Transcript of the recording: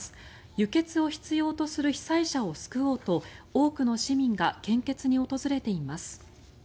輸血を必要とする被災者を救おうと多くの市民が献血に訪れています。